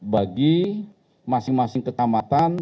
bagi masing masing kecamatan